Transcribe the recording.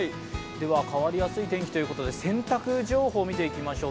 変わりやすい天気ということで洗濯情報を見ていきましょう。